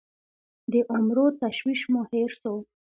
د عمرو تشویش مو هېر سوو